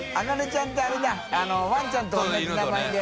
舛磴鵑辰あれだワンちゃんと同じ名前で。